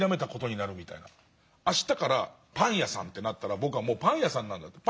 明日からパン屋さんとなったら僕はもうパン屋さんなんだと。